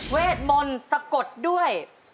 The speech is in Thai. เวทมนต์สะกดด้วย